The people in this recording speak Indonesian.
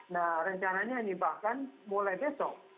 nah rencananya ini bahkan mulai besok